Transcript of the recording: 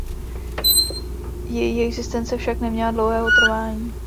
Její existence však neměla dlouhého trvání.